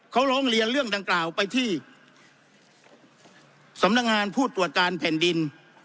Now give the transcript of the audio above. เขาร้องเรียนเรื่องดังกล่าวไปที่สำนักงานผู้ตรวจการแผ่นดิน